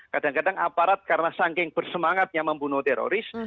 kadang kadang aparat karena saking bersemangatnya membunuh teroris